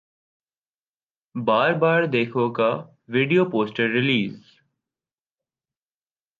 بار بار دیکھو کا video poster release